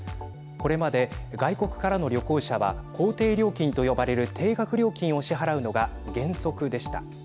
これまで外国からの旅行者は公定料金と呼ばれる定額料金を支払うのが原則でした。